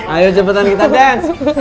ayo cepetan kita dance